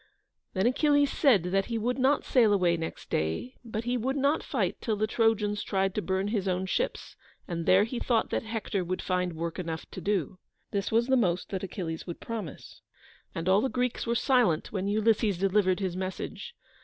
Then Achilles said that he would not sail away next day, but he would not fight till the Trojans tried to burn his own ships, and there he thought that Hector would find work enough to do. This was the most that Achilles would promise, and all the Greeks were silent when Ulysses delivered his message.